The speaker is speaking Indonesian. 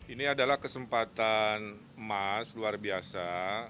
ini adalah kesempatan emas luar biasa